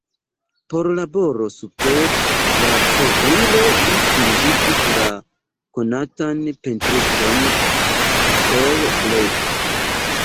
Por laboro super la kovrilo li invitis la konatan pentriston Peter Blake.